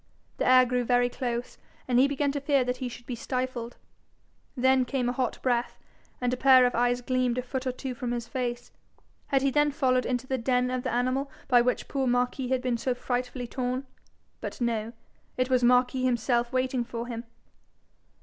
The air grew very close, and he began to fear he should be stifled. Then came a hot breath, and a pair of eyes gleamed a foot or two from his face. Had he then followed into the den of the animal by which poor Marquis had been so frightfully torn? But no: it was Marquis himself waiting for him!